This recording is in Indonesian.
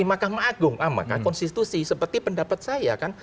maka konstitusi seperti pendapat saya